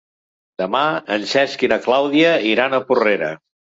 Demà en Cesc i na Clàudia iran a Porrera.